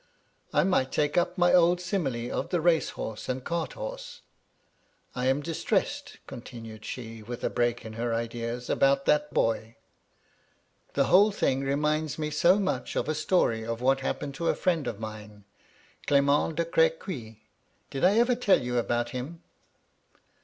I might take up my old simile of the race horse and cartr horse. I am distressed," continued she, with a break in her ideas, " about that boy. The whole thing reminds me so much of a story of what happened to a firiend of mine — Clement de Crequy. Did I ever tell you about him?"